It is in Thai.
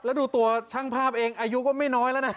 แล้วดูตัวช่างภาพเองอายุก็ไม่น้อยแล้วนะ